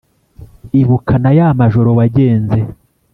Ibuka na ya majoro wagenze